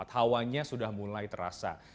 hawanya sudah mulai terasa